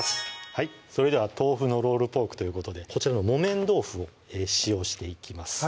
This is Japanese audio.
それでは「豆腐のロールポーク」ということでこちらの木綿豆腐を使用していきます